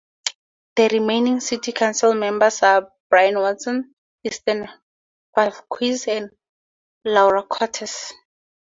The remaining city council members are Brian Watson, Esteban Velasquez, and Laura Cortes.